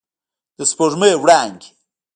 د سپوږمۍ وړانګې